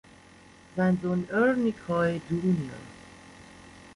Sein Sohn Ernie Koy, Jr.